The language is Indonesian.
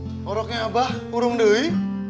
apa tempatnya ini tetapi burung doi